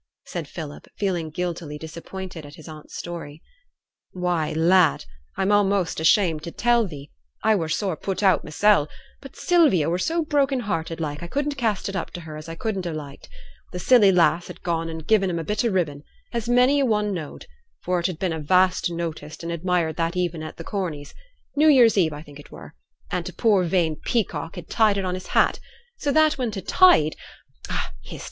said Philip, feeling guiltily disappointed at his aunt's story. 'Why, lad! I'm a'most ashamed to tell thee, I were sore put out mysel'; but Sylvia were so broken hearted like I couldn't cast it up to her as I should ha' liked: th' silly lass had gone and gi'en him a bit o' ribbon, as many a one knowed, for it had been a vast noticed and admired that evenin' at th' Corneys' new year's eve I think it were and t' poor vain peacock had tied it on his hat, so that when t' tide hist!